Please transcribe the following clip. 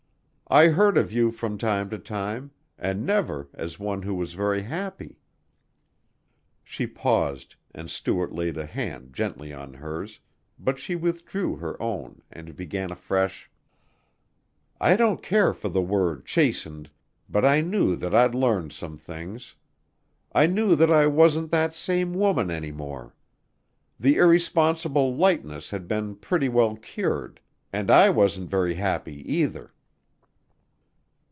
I heard of you from time to time ... and never as of one who was very happy." She paused and Stuart laid a hand gently on hers, but she withdrew her own and began afresh: "I don't care for the word 'chastened,' but I knew that I'd learned some things. I knew that I wasn't that same woman any more. The irresponsible lightness had been pretty well cured ... and I wasn't very happy, either.